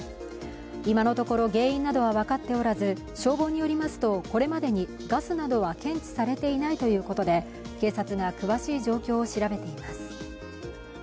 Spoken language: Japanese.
今のところ原因などは分かっておらず、消防によりますと、これまでにガスなどは検知されていないということで警察が詳しい状況を調べています。